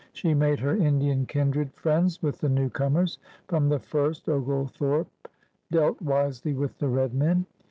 She made her Indian kindred friends with the newcomers. From the first Oglethorpe dealt wisely with the red men.